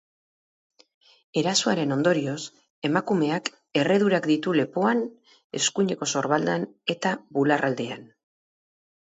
Erasoaren ondorioz, emakumeak erredurak ditu lepoan, eskuineko sorbaldan eta bularraldean.